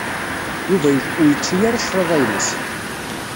Yuba ur yečči ara cclaḍa-ines.